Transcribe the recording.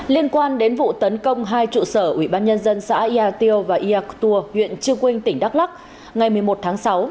liên quan đến vụ tấn công hai trụ sở ủy ban nhân dân xã yà tiêu và yạc tùa huyện chư quynh tỉnh đắk lắc ngày một mươi một tháng sáu